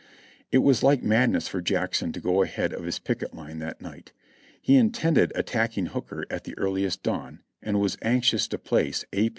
It was like madness for Jackson to go ahead of his picket line that night. He intended attacking Hooker at the earliest dawn, and was anxious to place A.